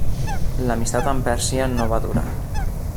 L'amistat amb Pèrsia no va durar.